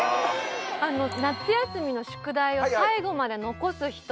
あの夏休みの宿題を最後まで残す人